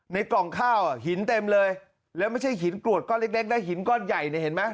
กล่องข้าวหินเต็มเลยแล้วไม่ใช่หินกรวดก้อนเล็กนะหินก้อนใหญ่เนี่ยเห็นไหม